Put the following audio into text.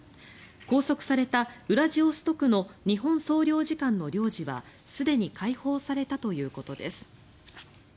拘束されたウラジオストクの日本総領事館の領事はすでに解放されたということです。